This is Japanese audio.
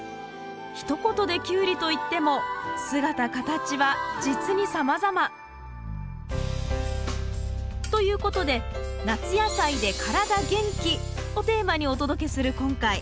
ひと言でキュウリといっても姿形はじつにさまざま。ということで「夏野菜でカラダ元気」をテーマにお届けする今回。